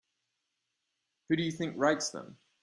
Who do you think writes them?